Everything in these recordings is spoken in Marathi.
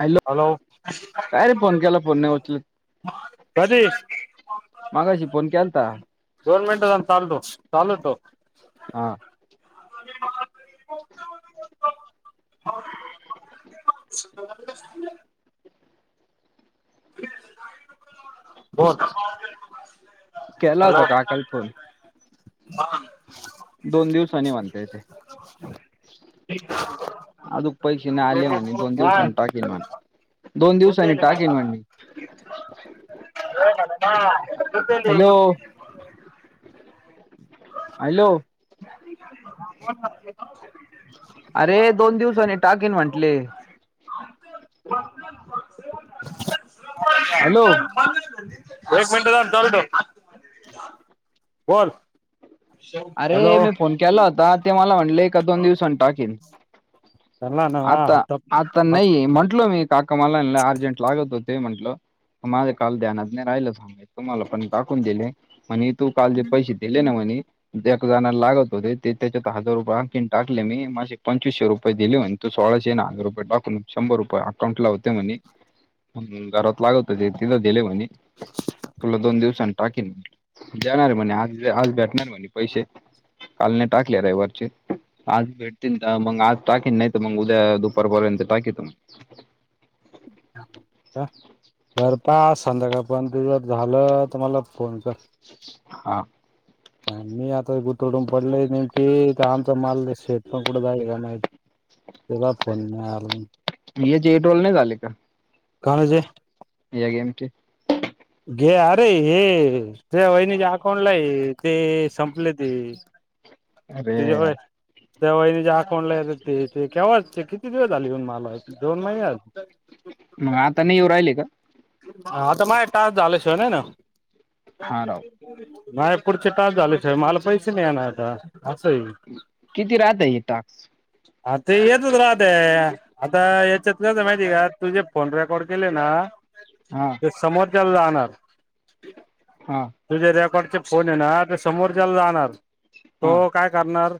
हॅलो काय रे फोन केला फोन नाही उचलत. कधी मगशी फोन केलता. गोर्नमेंट चालतोस चालवतो. हा म बोत केला होता काकाला फोन [unintelligible] दोन दिवसानी म्हटले ते. [unintelligible] अजून पैशे नाही आले म्हणे दोन हा दिवसां टाकीन म्हणे. दोन होते दिवसांनी ना टाकीन बाबा म्हणे होते. हॅलो हॅलो, ह अरे दोन दिवसनी टाकीन म्हंटले, ह हॅलो, एक मिनट थाम्ब चालू ठेव. [unintelligible] बर अरे मी फोन केला होता. ते मला म्हणले ए दोन दिवसान टाकिती. त्यांना ना आता, हप्ता आता हप्ता नाही म्हंटल मी. काका मला अर्जेंट लागत होते. म्हंटलं माझ्या काल ध्यानात नाही राहिलं थांब तुम्हाला पण टाकून दिले. म्हणे तू काल जे पैसे दिले ना म्हणे, एक जण लागत होते ते त्याच्यात हजार रुपये आणखीन टाकले मी माझे पंचवीसशे रुपये दिले म्हणते तो सोळाशेन हजार रुपय टाकून शंभर रुपय अकाउंटला होते मनी. घरात लागत ते तिथं दिेले म्हणे, तुला दोन दिवसानी टाकीेन जाणार म्हणे आज आज भेटणार म्हणे, पैसे कालने टाकले रविवारचे, आज भेटतील मग आज टाकीेन नाही तर मग उद्या दुपारपर्यंत टाकीत मग. ह बरं का, संध्याकाळ पर्यंत ते जर झालं तर मला फोन कर, हा मी आता गुतडून पडले नेमकी आमचा माल शेतल पण कुठं जाईला नाहि. तेला फोन नाही आलं. हेचे जे टोल नाही झाले का. काल जे या गेमची घे अरे हे त्या वहिनीच्या आकाउंटला आहे ते संपले ते. अरे यार. त्याच्यामुळे त्या वहिणीच्या अकाऊंटला आहे. ते केव्हाचे किती दिवस आले येऊन माल दोन महिने मग आता नाही येऊ राहिले का. आता माझ टास्क झाला शिवाय नाही ना. हा राव नाही पुढचे टास्क झाले शिवाय मला पैसे नाही येणार आता असंही किती राहत आहे टाक्स आ ते येतच राहते आता याच्यात का माहिती का तुझे फोन रेकॉर्ड केले ना. हा ते समोरच्याला जाणार हा तुझे रेकॉर्डचे फोन आहे ना ते समोरच्याला जाणार हा तो काय करणार.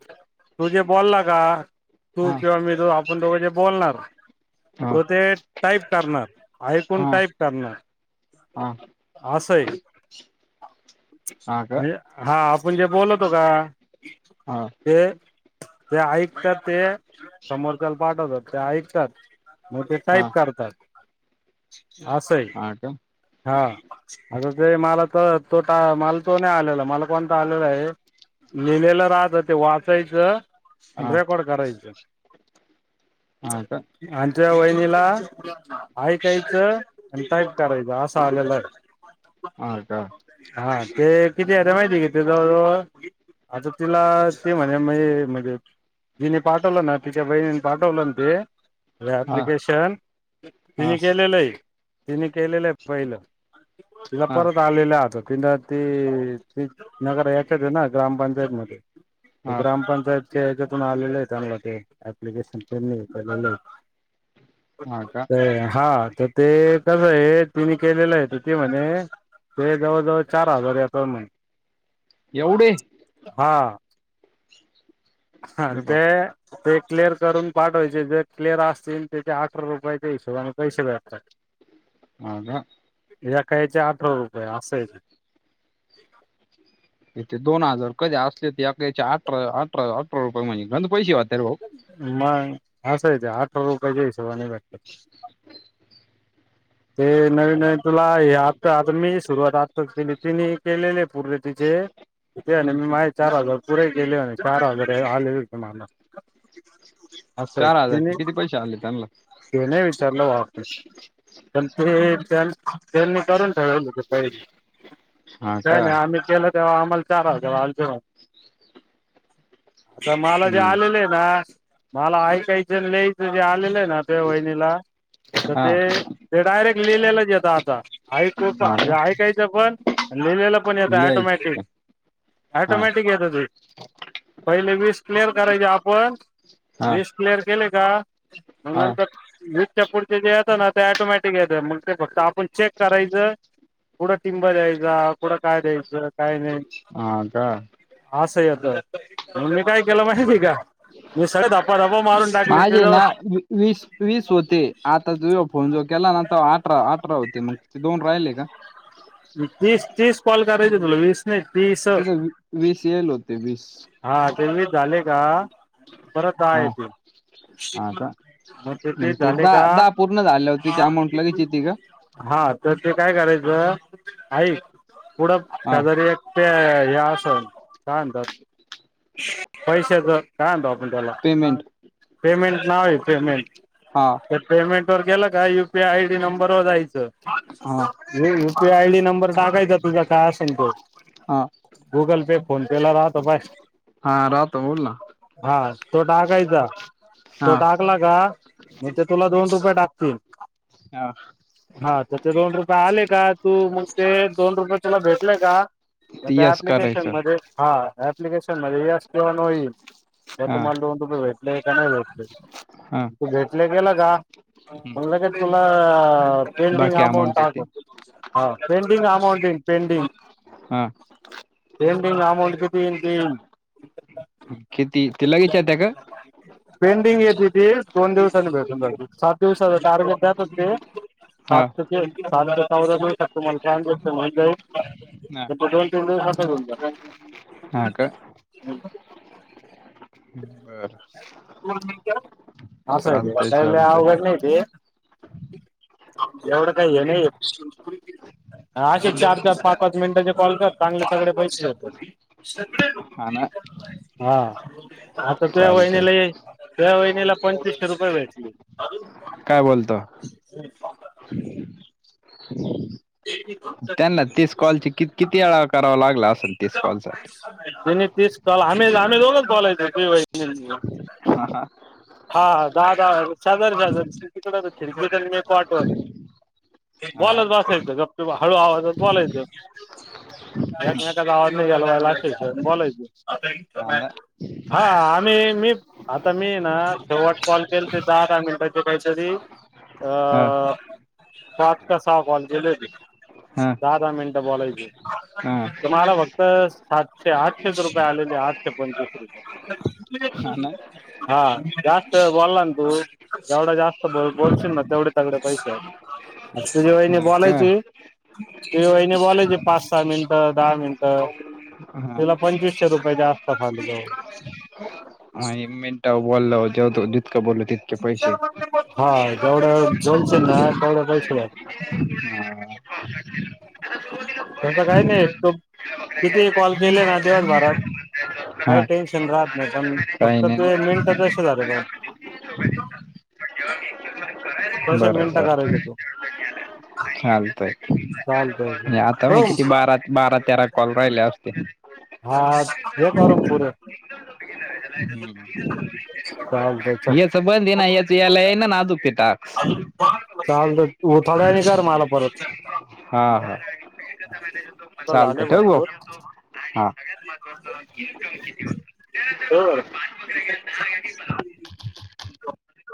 तूझे बोलला का तू हा किंवा मी तू आपण दोघं जे बोलणार. हा हो ते टाईप करणार आई कण हा टाईप करणार हा अस आहे. हा का म्हण हा आपण जे बोलतो का? ह. ते ते ऐकतात ते समोरच्याला पाठवतात ते ऐकतात. मोठे हा टाईप करतात. अस आहे हा का हा आता ते मला तर तोा मला तो नाही आलेला मला कोण आलेला आहे लिहिलेलं राहत ते वाचायचं. आणि हा रेकॉर्ड करायच. हा का आमच्या वहिनीला आहे काय? आणिताय करायचं असं आलेलं आहे. ह का? हा ते किती आहे माहिती आहे किथ जवळजवळ आता तिला ते म्हणे म्ह म्हणजे तिने पाठवलं ना तिच्या बहिणीनी पाठवलं ना ते हा प्लिकेशन हा. केलेलं आहे तिने केलेलंय पहिलं तिला हा परत आलेलं आता ति त नगर याच्यात आहे ना ग्रामपंचायत मध्ये हा ग्रामपंचायत हच्यातून आलेले आहेत त्यांला ते प्लिकेशन केलेले आहे. हा का हा तर ते कस आहे तिने केलेलं आहे त ते म्हणे ते जवळ जवळ चार हजार येतो म एवढे अरे हा बाप ते ते क्लिअर करून पाठवायचे जे क्लिअर असतील त्याच्या अठरा रुपयाच्या हिशोबाने पैसे जा असतात. ह का? याकायचे आठरा रुपये असायचे. इथे दोन हजार कधी असले तेच्या अठरा अठरा अठरा रुपये म्हणजे घ पैसे वाते भाऊ मग हा स आहे ते आठरा रुपय जायस नाही बेटत ते नवीन नवीन तुला हे आता आता मी सुरुवात केली ती केलेले आहे पूर्ण तिचे आणि मी माझ चार हजार पुरे केले आणि चार हजार आले माला असं चार तिने हजारचे किती पैसे आले त्यांना हे नाही विचारलं वा. त्यां ते त्यांनी करून ठेव पहिरी हा काय का नाही आम्ही केलं. तेव्हा अमल चारल जवा हलज आता मला जे हम्म आलेले आहे ना मला ऐकायच ल जे आलेलं आहे ना ते वहिनीला तर हा ते ते डायरेक्ट लिहिलेलंच येत आता ऐको हा का ऐकायचं पण लिहिलेला पण येतं लिहायच ॅटोमॅटिक हा टोमॅटिक येत त पहिले वीस क्लिअर करायची आपण हा लिस्ट क्लिअर केले का मग हा नंतर लटच्या पुढचे जे येत ना त्या ऑटोमॅटिक आहे मग ते फक्त आपण चेक करायचं पुढं टिंब द्यायच. पुढं काय द्यायचं काय नाही हा का असं येत. मी काय केलं माहिती का मी सगळे धपा धपा मारून टाकले ते माझे ना वीस वीस होते आता तुझ फोन जो केला नंत अठरा अठरा होते मग ते दोन राहिले का? तीस तीस कॉल करायच तुला वीस तीस. तिथं वीस येईल होते वीस हा ते मी झाले का? परत आहे हा आहे हा ते का मग ते तेच झाले का? दहा दहा पूर्ण झाल्यावर त्याची अमाऊंट लगेच येते का हा तर ते काय करायचं आयिक पुढं हा शेजारी ते हे असे कातात पैसेच कायत आप आपण त्याला पेमेंट पेमेंट नाव ये पेमेंट. हा तर पेमेंट वर गेलं का युपीआय आयडी नंबरवर जायचं. हा युपीआय आयडी नंबर टाकायचा तुझा काय असेल तो हा गुगल पे फोन पेला राहतो बा हा राहतो बोल ना हा तो टाकायचा हा तो ट टला का मग ते तुला दोन रुपये टाकतील. ह हा तर ते दोन रुपये आले का तू मग ते दोन रुपये त्याला भेटलेय का? म ते त्या यस प्लिकेशन करायचं मध्ये हा प्लिकेशन मध्ये यस किव नो येईल. म हा तुम्हाला दोन रुपये भेटले का नाही भेटले हा तू भेटले गेला का? मग तुला पेंडिंग बाकी अमाउंट अमाऊंट येते दाखवत. हा पेंडिंग अमौंट पेंडिंग. हम पेंडिंग अमाऊंट किती ये किती ते लगेच येते का त पेंडिंग येत ति ती दोन दिवसांनी भेटून सात दिवसाच टार्गेट द्याेत हा सात सातऊ शकतु मला छत म्ह ह फुटबॉल हा का ट ख बर असं आहे ते चालतय काही चालतय. [unintelligible] एवढं काही हे नाहीये. अशे चार, चार पाच पाच मिनिटांच्या कॉल कर, चांगले सगळे पैसे भेटतात सगळे हा ना हा आता तुह्या चालतय वहिनीला तुह्या वहिनीला पंचवीसशे रुपये भेटले. काय बोलतो? [inaudible] त्यांना तीस कॉलचे किती किती वेळा करावा लागला असेल तीस कॉल साठी. ते नयी तीस कॉल आम्ही, आम्ही दोघच बॉलायचो, तुझी वहिनी अं मी. हा हा. हा दहा दहा [unintelligible] हा बॉलत बसायचं गपचूप हळू आवाजात बॉलायचं. एकमकाचा आवाज नाय गेला पाईजे अश्या याचं हा बोलायचं. ना हा आम्ही मी आता मीये ना शेवट कॉल केलते दहा- दहा मिनटाचे काहीतरी आ हा पाच का सहा कॉल केले होतं हा दहा दहा मिनटं बोलायचे. हा तुम्हाला फक्त सातशे आठशेच रुपये आलेले आठशे पंचवीस हा रुपये. ना हा जास्त बोलला ना तू जेवढा जास्त बोल बोलशील ना तेवढे तगडे पैसे. तुझी वहिणी हा का बोलायची ते वहिने बोलायची पाच, सहा मिनिटं दहा मिनिट. हा तुला पंचवीसशे रुपये जास्त पडले बा बोलला व्हता जितकं बोललो तीत हा जेवढा वेळ बोलशील ना? तेवढे पैसे भेटत्या हम तसं काही नाही, तू कितीहि कॉल केले ना दिवसभरात काही हा. टेन्शन राहत नाही, पण काही फक्त नाही ना. तुजे मिनट कसे झाले पण ह. बर बर ठीकय, चालतंय. चालतंय नाही आता मी ठेवू किती, बारा बारा तेरा कॉल राहिले असतील. हा घे करून हम्म. पुरं. कायद्याचा हा बंदये ना याचं, याला येईना अजून ते टाक. चाल थोड्या येळाने कर मला परत. आता हा हा चालतं झाले ठेऊ ग भरपूर भाऊ? [inaudible] हा.